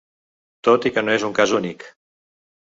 Tot i que no és un cas únic.